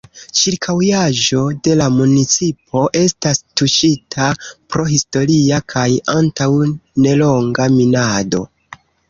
Ĉirkaŭaĵo de la municipo estas tuŝita pro historia kaj antaŭ nelonga minado.